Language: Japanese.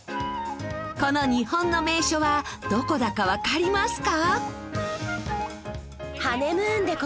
この日本の名所はどこだかわかりますか？